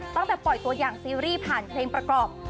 ปล่อยตัวอย่างซีรีส์ผ่านเพลงประกอบ